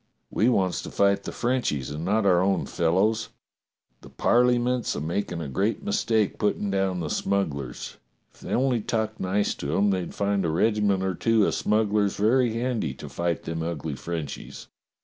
We wants to fight the Frenchies and not our own fellows. The Parleyment's a makin' a great mistake puttin' down the smugglers. If they only talked nice to 'em they'd find a regiment or two o' smugglers very handy to fight them ugly Frenchies.